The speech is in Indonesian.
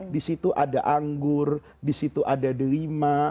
disitu ada anggur disitu ada delima